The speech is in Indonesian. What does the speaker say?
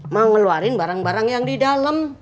mau ngeluarin barang barang yang di dalam